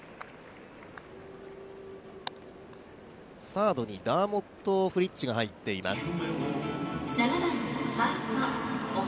サードにダーモット・フリッチが入っています。